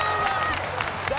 誰？